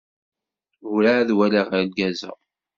Urɛad walaɣ argaz-a.